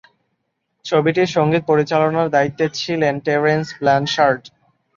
ছবিটির সঙ্গীত পরিচালনার দায়িত্বে ছিলেন টেরেন্স ব্লানশার্ড।